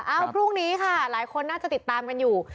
พรุ่งนี้ค่ะหลายคนน่าจะติดตามกันอยู่